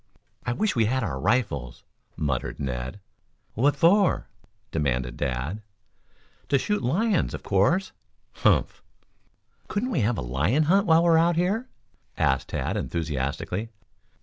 "I wish we had our rifles," muttered Ned. "What for?" demanded Dad. "To shoot lions, of course." "Humph!" "Couldn't we have a lion hunt while we are out here?" asked Tad enthusiastically.